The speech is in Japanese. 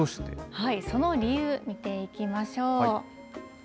その理由、見ていきましょう。